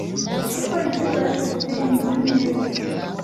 Abapolisi basatse inzu neza.